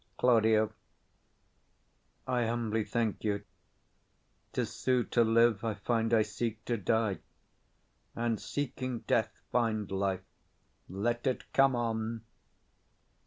Claud. I humbly thank you. To sue to live, I find I seek to die; And, seeking death, find life: let it come on.